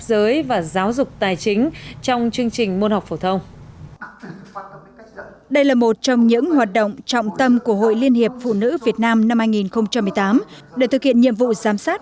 hoạt động trọng tâm của hội liên hiệp phụ nữ việt nam năm hai nghìn một mươi tám để thực hiện nhiệm vụ giám sát